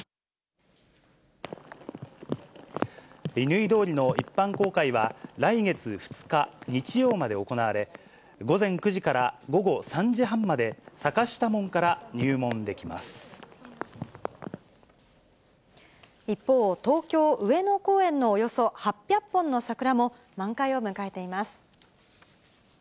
乾通りの一般公開は、来月２日日曜まで行われ、午前９時から午後３時半まで、一方、東京・上野公園のおよそ８００本の桜も満開を迎えています。